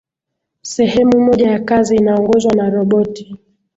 sehemu moja ya kazi inaongozwa na roboti